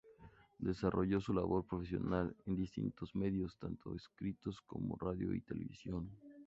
Desarrolló su labor profesional en distintos medios tantos escritos como radio y televisión.